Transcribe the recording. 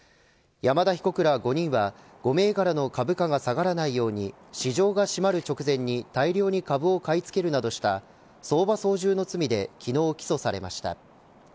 山田被告ら５人は５銘柄の株価が下がらないように市場が閉まる直前に大量に株を買い付けるなどした相場操縦の罪で昨日起訴されました。